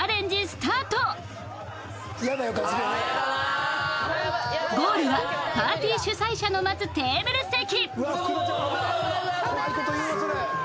スタートゴールはパーティー主催者の待つテーブル席